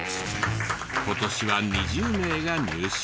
今年は２０名が入社。